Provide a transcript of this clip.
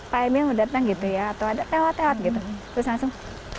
pak emil mau datang gitu ya atau ada tewa tewat gitu terus langsung